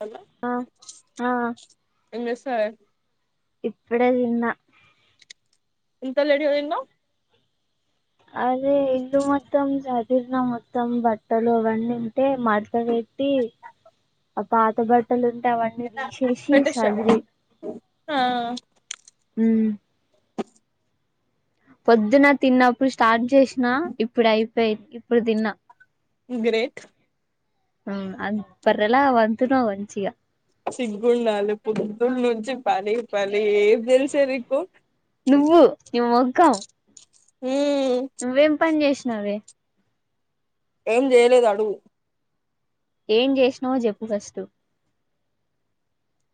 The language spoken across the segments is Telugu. హలో ఆ ఆ ఎం చేస్తున్నావే ఇప్పుడే తిన్న ఇంత లేట్ గా తిన్నావ్ అదే ఇళ్ళు మొత్తం సాధిర్నా మొత్తం బట్టలు అవి అని ఉంటే మడుతా పెట్ ట్టి ఆ పాత బట్టలు ఉం తం అన్ని తీసేసి పెట్టేసినావా సదిరి ఆ మ్ పొద్దున్న తిన్నప్పుడు స్టార్ట్ చేసిన ఇప్పుడు అయిపోయి ఇప్పుడు తిన్నా గ్రేట్ ఆ అద్ బర్రేల పంటున్నావ్ మంచిగ సిగ్గుండాలి పొద్దునుంచి పని పనే తెలుసే నీకు నువ్వు నీ మొఖం మ్మ్ నువ్వేం పని చేసినావే ఏం చేయలేదు అడుగు ఏం చేసినవో చెప్పు ఫస్ట్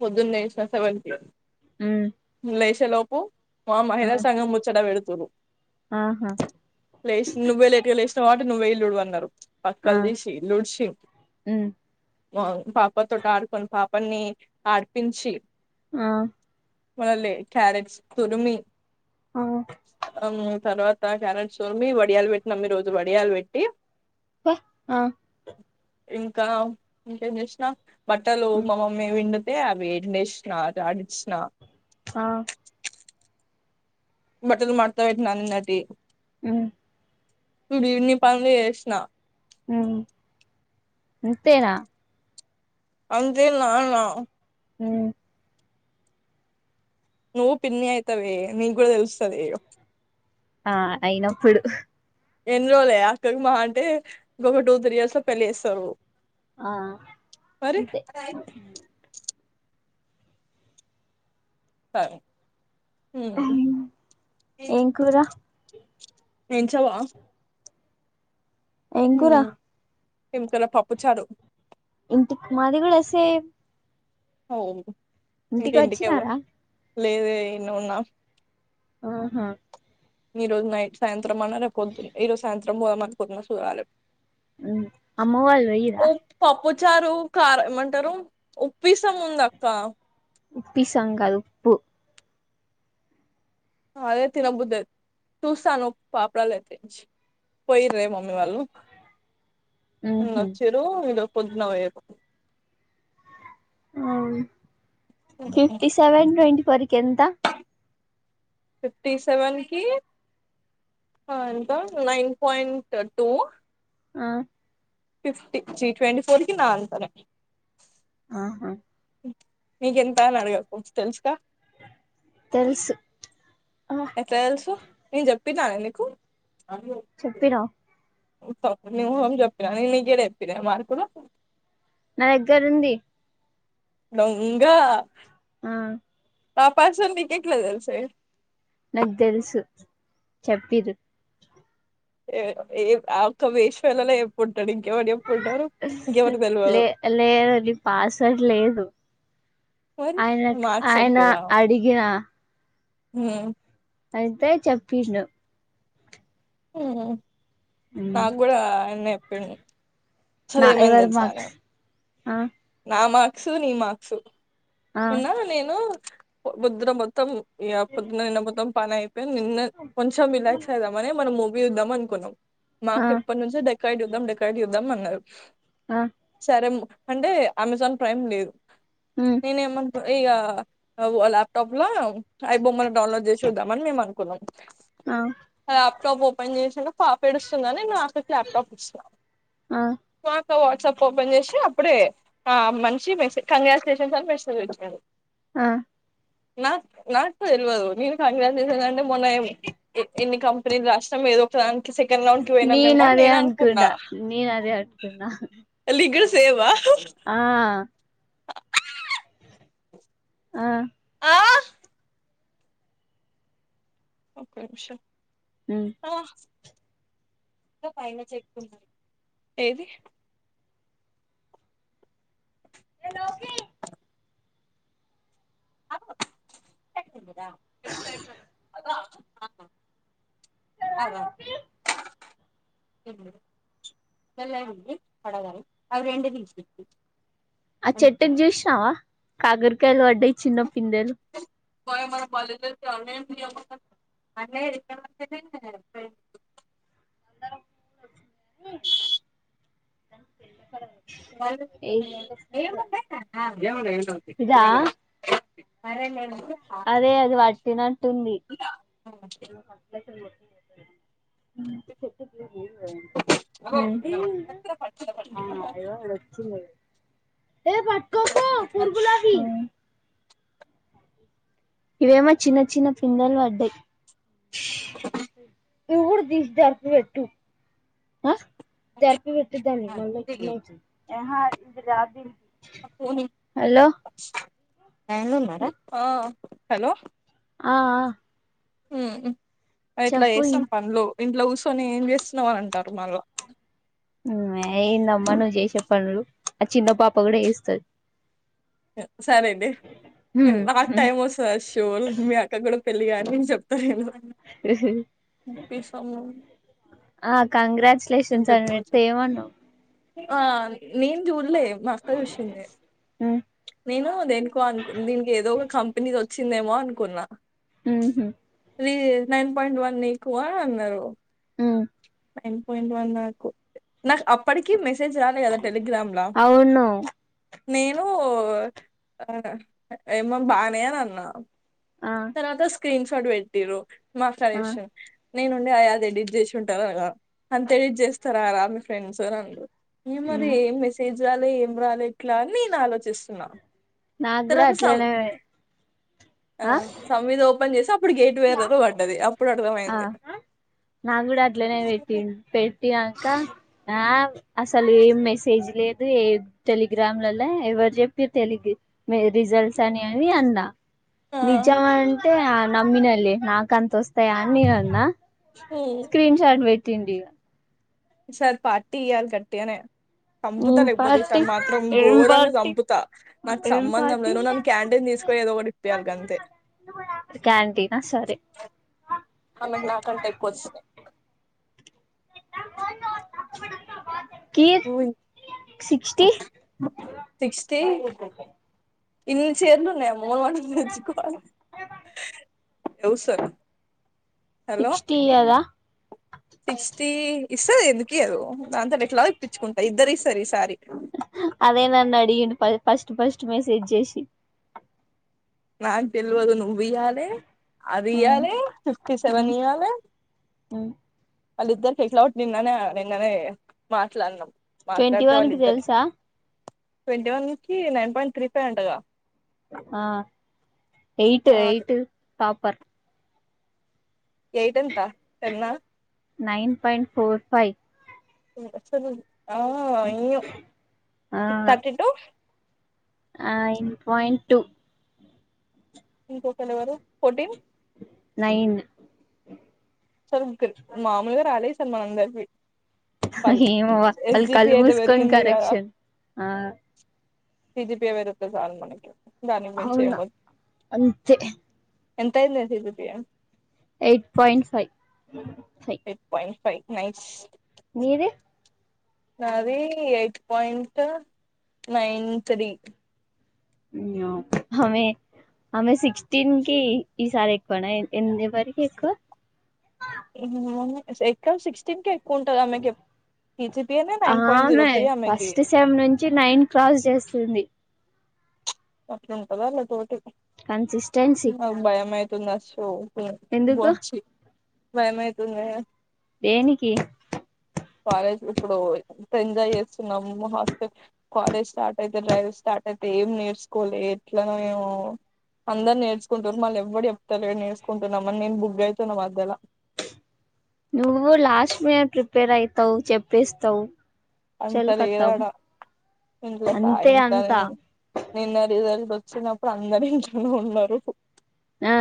పొద్దున లేశిన సెవెన్ కి ఉమ్ లేసేలోపు మా ఆ మహిళా సంఘం ముచ్చట పె డుతుర్రు ఆహా లేష్ నువ్వే లేటుగా లేషినవ్ కబట్టి నువ్వే ఇల్లు ఉడువు అన్నారు ఆ పక్కల్ తీసి ఇల్లు ఉడిచి ఉమ్ పాపతోని ఆడుకొని పా పన్ని ఆడిపించి ఆ మనలే క్యారెట్స్ తురిమి ఆ ఆ తర్వాత క్యారెట్స్ చోమి వడియాలు పెట్టినాం ఈ రోజు వడియాలు పెట్టి బ్బ ఆ ఇంకా ఇంకేం చేసినా బట్టలు ఉమ్ మామమ్మీ పిం తే అవి ఎండేసిన జాడిచ్చిన ఆ బట్టలు మడుత పెట్టిన నిన్నటియి మ్ చూడు ఇన్ని పనులు చేశిన మ్ ఇంతేనా అంతే నాన మ్ నువ్వు పిన్నిి అయితవే నీకు కూడా తెలుస్తది ఆ అయినప్పుడు ఎన్ని రోజులే అక్కకి మహా అంటే ఇంకొక టూ త్రీ ఇయర్స్ ల పెళ్లి చేస్తారు ఆ మరి అంతే సరే మ్ ఏం కూర ఏంచవా ఎం కూర ఎం కూర పప్పుచారు ఇంటి మాది కుడా సేమ్ ఓ ఇంటికోచ్చినారా లేదే ఇన్నే ఉన్న ఆహా ఈ రోజు నైట్ సాయంత్రం అన్న రేపు పోద్దు ఈ రోజు సాయంత్రం పోదం అనుకున్నా సుాడాలే మ్ అమ్మవాళ్లు పోయిర్ర చారు కార ఏమంటారు ఉప్పసాం ఉంది అక్క ఉప్పిస కాదు ఉప్పు రేతే బధ తూసా ను పాపడాలతే పోయిర్రే మమ్మీ వాళ్ళు నిన్న ఉహు ఓచ్చిర్రు ఈ రోజు పొద్దున పోయిర్రు ఆ ఫిఫ్టీ సెవెన్ ట్వ ఫోర్ కి ఎంత ఫిఫ్టీ సెవెన్ కి ఆ ఎంత నైన్ పాయింట్ టూ ఆ ఫిఫ్టీ చి ట్వంటీ ఫోర్ కి నా అంటరే ఆహా మీక ఎంతా నాడగాక తెలుసు గా తెలుసు ఆ ఎట్లా తెలుసు నేను చెప్పితానే నీకు వ చెప్పినావ్ హోమ్ [unintelligible] న గడ ఇతర మార్కుడా నా దగ్గర ఉంది దొంగా ఆ నా పర్సనల్ నీకు ఎట్లా తెలుసే నాకు తెలుసు చెప్పిర్రు ఏ ఆ ఒక వేస్ట్ ఫెలో చెప్పుడు ఇంకెవరుచెప్పుకుంటారు ఇంకెవరు తెల్వదు లే లేదండి పాస్వర్డ్ లేదు మరి ఆయన మార్క్స్ ఆయన చేపిర్ర అడిగిన ఉ అయింతే చెప్పిసిన ఉ నాకు కూడా ఆ అన్న చెప్పిండు అసలు నా ఏమైంది ఎవర్ తెలుసానే మక్స్ నా మార్క్స్ నీ మార్క్సు ఆ నిన్న నేను పోదున్న మొత్తం ఇ పొద్న్న నిన్న మొత్తం పని అయిపోయి నిన్న కొంచెం రిలాక్స్ అయిదామని మనం మూవీ ఇద్దాం అనుకున్నాం ఆ మాకు ఎప్పటి నుంచే డెకరేట్ చూద్దాం డెకరేట్ చూద్దాం అన్నారు ఆ సరే అంటే అమెజాన్ ప్రైమ్ లేదు ఉమ్ నేనే ఏమన్నా ఇక ల్యాప్టాప్ లో ఐ బొమ్మని డౌన్లోడ్ చేసి చూదాం అన్ని మేము అనుకున్నాం అ ల్యాప్టాప్ ఓపెన్ చేసింటే పాప ఎడుస్తుందిని నే నాక్కకి ల్యాప్టాప్ ఇస్తునాను ఆ సో వాట్సాప్ ఓపెన్ చేసి అపుడే ఆ మనిష మెసేజ్ కంగ్రాచ్యులేషన్స్ అని మెసేజ్ వచ్చింది ఆ నాకు నాకు తెలియదు నేను కంగ్రాచులేషన్ అంటే మొన్న ఎన్ని కంపెనీలు రాష్ట్రం ఏదో సెకండ్ రౌండ్ కి పోయినా మేమోని అదే నేను అనుకున్నా నేను అదే అనుకున్నా లీకో సేవా ఆ ఆ ఆ ఓకే విష ఉమ్ ఆ ఇకా పైన చెప్పుకు ఏది ఏ లోకి చె అ ఏలేదు కొనటం అవి రెండు తీసుకుని ఆ చెట్టుకి చూసినావా కాగరకాయలు వడ్డయి చిన్న పిందేలు [unintelligible] అదే ఇ వచ్చి తెల్ల ప ఏ ఇదా [unintelligible] పరేలేదూ అదే అది వట్టినట్టుంది చెప్ప ంట అ అడచ్చ ఏ పట్కక కూర్గలా హీ ఇవేమో చిన్న చిన్న పిందలు అడ్డయి ఇడు దిష్ దర్కు పెట్టు తరపి వెటి దని మలకి ఎహ ఇ రా ద హలో ఆ ఆ మ్ ఇట్లా చెప్పు చేస్తాం పనులు ఇంట్ల కూర్చొని ఏం చేస్తున్నావ్ అని అంటారు మళ్ళ ఆ ఏందమ్మా నువ్వు చేసే పనులు ఆ చిన్న పాప కూడా చేస్తంది సరేనే నాకు టైం వస్తది షోర్ మీ అక్క కూడా పెళ్లిగాని చెప్తానీను ఆ కంగ్రాచ్యులేషన్స్ తింటది అని చెప్ కొంచెం ఏమన్నావు ఆ నేను చూడలే మా అక్క చూసింది నేను దేనుకో అనుకు దీనికి ఏదో ఒక కంపెనీది వచ్చిందేమో అనుకున్నా మ్ హు త్రీ నైన్ పాయింట్ వన్ నీకు అని అన్నారు మ్ నైన్ పోయింట్ వన్ నకు నాకు అప్పటికి మెసేజ్ రాలే కదా టడెలిగ్రామ్లా అవును నేను ఏమో బానే అని అన్నా ఆ తర్వాత స్క్రీన్ షాట్ పెట్టిర్రు ఆ మాట్లాడేషిన్ నేనుండి అది ఎడిట్ చేస్ సుంట అల అంత ఎడిట్ చేస్తారరా మీ ఫ్రెండ్స్ అని అన్నడు ఏ మరి ఏ మెసేజ్ జ్ రాలె ఏం రాలే ఇట్లా అని నేను ఆలోచ్ చిస్తున్న నాకు కూడా తరువాత సం అట్లనే ఆ సం ఎదో ఓపెన్ చేస్తే అప్ ప్పుడు గేట్ వేరరు పడ్డది అప్పుడు ఆ అర్థమైంది నాకు కూడా అట్లనే పెట్టిం పెట్టినంకా ఆ అసలు ఏం మెసేజ్ లేదు ఏ టెలిగ్రామ్లల్ల ఎవరు చెప్పి తెలుగు మీ రిజల్ట్స్ అని అన్నా ఆ నిజమే అంటే నమ్మినలే నాకు అంత వస్తాయ అనీ అన్నా ఊ స్క్రీన్ షాట్ పెట్టిటి ఈ సారి పార్టీ ఇయ్యాలి గట్టిగనే చంపుతా ఏం లేకపోతే ఈ పార్టీ సరి మాత్రం ఏం ఘోరంగా పార్టీ చంపుతా నాకు ఏం సంబంధం పార్టీ లేదు నువ్ నన్ను క్యాంటీన్ తీసుకపోయి ఏదో ఒకటి ఇప్పియ్యాలి గంతే క్యాంటీనా సరే అమే కు నాకంటే ఎక్కువ వచ్చినయి తప్ప సిక్స్టి ఇన్ని చేర్నున్నే మోన్ మట వచ్చకువ హలో సిక్స్టీ ఇయ్యదా సిక్స్టీ ఇస్తది ఎందుకియదు దాంతోని ఎట్లాగో ఇప్పించుకుంటా ఇద్దరు ఇస్తారు ఈ సారి అదే నన్ను అడిగిండు ఫస్ట్ ఫస్ట్ మెసేజ్ చేసి నాకు తెల్వదు నువ్ వియ్యాలే మ్మ్ అదియాలే ఫిఫ్టీ సెవెన్ మ్మ్ ఇయ్యాలే మ్మ్ వాళ్ళిద్దర్కి ఎట్లా [unintelligible] నిన్ననే మాట్లాడ్నం. ట్వంటీ మాట్లాడ్తే వన్ కి వాళ్ళిద్దర్కి తెలుసా ట్వంటీ వన్కి నైన్ పాయింట్ త్రీ ఫైవ్ అంటగా ఆ ఎయిట్ ఎయిట్ టాపర్ ఎయిట్ ఎంత టెన్నా నైన్ పాయింట్ ఫోర్ ఫైవ్ అవును ఇయు సిక్స్ థర్టీ టు ఆ ఇన్ పాయింట్ టు ఇంకొకలు ఎవరు ఫోటీన్ నైన్ సరే ముఖిల్ మాముల్గ రాలే ఈసారి మనందరికీ ఏమోవ వాళ్ళు కళ్ళు అయితే మూస్కొన్ పెరిగింది కరెక్షన్ ఆ సీజిపిఎ పెరుగుతె సాలు మనకి దానికి మించి ఏం వ ఎంతైందే CGPA eight point five. Eight point five nice నీది? నాదీ ఎయిట్ పాయింట్ నైన్ త్రీ హమే ఆమె సిక్స్టీన్కి ఈసారి ఎక్కువనా ఎన్ ఎన్ ఎవరకి ఎక్కో ఎక్క్ సిక్స్టీన్కే ఎక్కు ఉంటది ఆమెకి ఎప్ ఆమె ఫస్ట్ సెమ్ నుంచి నైన్ క్రాస్ చేస్తుంది. అట్నే ఉంటదా ఆళ్ళ తోటి కన్సిస్టెన్సీ తుందా షో ఎందుకు వాచీ భయమైతుందే దేనికి? కాలేజ్ ఇప్పుడు ఎంత ఎంజాయ్ చేస్తున్నాము హాస్టల్ కాలేజ్ స్టార్ట్ అయితే డ్రైవ్ స్టా ట్ అయితే ఏం నేర్చుకోలే ఎట్లా ఏమో అందర్ నేర్చుకుంటరు మళ్ళీ ఎవ్వడ్ చెప్తలేర్ నేర్చుంటున్నమన్ నేన్ బుగ్గైతున్న మధ్యల నువ్వు లాస్ట్ మినిట్ ప్రిపేర్ అయితవు చెప్పేస్తవ్ అంత లేదాడా ఇంట్ల అంతే సాయం కాలం అంతా నిన్న రిజల్ట్ వస్ చ్చినప్పుడు అందర్ ఇంట్లనే ఉన్నరు. ఆ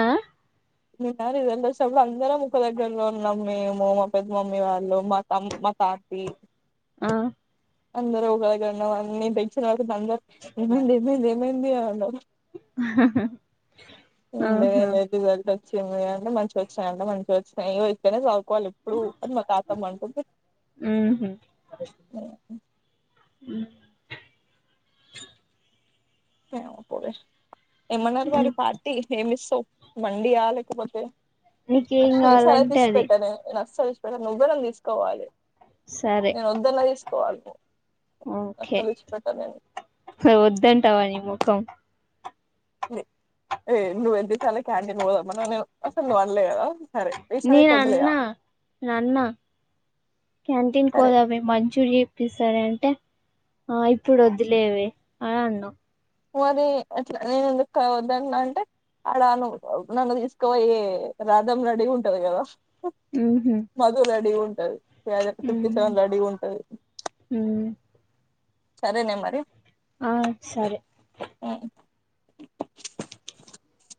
నిన్నా రిజల్ట్ వచ్చిప్పుడు అందరం ఒక్క దగ్గర్నే ఉన్నాం. మేము, మా పెద్ద మమ్మీ వాళ్ళు మా తమ్ మా తాతీ ఆ అందరం ఒక దగ్గర ఉన్నం అన్ నేన్ టెన్షన్ పడు ఇంట్లో అందర్ ఏమైంది ఏమైంది ఏమైందీ అన్ అన్నరు. ఏం లేద్ ఏం ఆహా లేద్ రిజల్ట్ వచ్చింది అంటే మంచిగొచ్చినయా అంటే మంచిగొచ్చినయి ఇగో ఇట్లనే [inaudible] కోవాల్ ఎప్పుడు అని మా తాతమ్మ అంటుంది. ఉహు మ్ ఏమ్మారు మరి పార్టీ ఏమిస్తవ్ మండీయా లేకపోతే నీకేం ఆశు ఈ సారైతే కావాలంటే అది ఇడిచిపెట్టనే నేన్ అసల్ నువ్వే నన్ తీస్కపోవాలె సరే నేన్ వద్దన్న తీస్కపోవాలె నువ్ ఓకే వద్దంటవా ని ముఖం ఏ నువ్ ఎదిసల క్యాంటీన్ పోదాం మన నీను అసలు నువ్వనలే కదా సరే ఈసరి అయితే నేను వదిలేయా క్యన్ంటన్కి పొదమే మంచూరి తిస్తదే అంటే ఆ ఇప్పుడు వద్దులేవే అని అన్నా మరి అట్లా నేను ఎందుకు కా వద్దన్న అంటే అని అను నన్ను తీసుకుపోయే రాధం రెడిగ ఉంటది కదా ఉహు మధురెడిగ ఉంటది ఉ ఫిఫ్టీ సెవెన్ రెడిగుంటది ఉ సరేనే మరి ఆ సరే మ్